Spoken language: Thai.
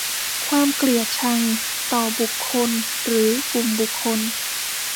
ความเกลียดชังต่อบุคคลหรือกลุ่มบุคคล